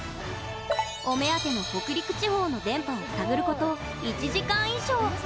お目当ての北陸地方の電波を探ること１時間以上。